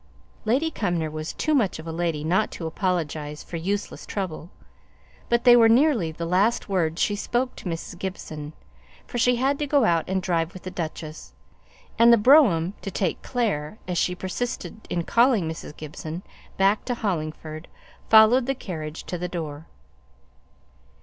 Lady Cumnor was too much of a lady not to apologize for useless trouble, but they were nearly the last words she spoke to Mrs. Gibson, for she had to go out and drive with the duchess; and the brougham to take "Clare" (as she persisted in calling Mrs. Gibson) back to Hollingford followed the carriage to the door.